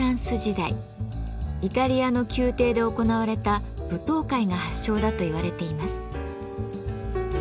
イタリアの宮廷で行われた舞踏会が発祥だといわれています。